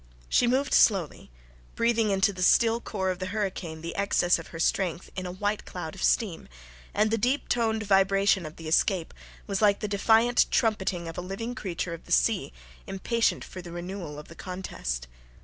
She moved slowly, breathing into the still core of the hurricane the excess of her strength in a white cloud of steam and the deep toned vibration of the escape was like the defiant trumpeting of a living creature of the sea impatient for the renewal of the contest.